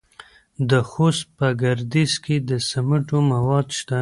د خوست په ګربز کې د سمنټو مواد شته.